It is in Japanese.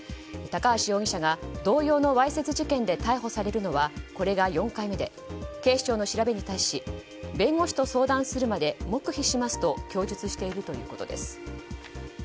高橋容疑者が同様のわいせつ事件で逮捕されるのはこれが４回目で警視庁の調べに対し弁護士と相談するまで黙秘しますと供述しているということです。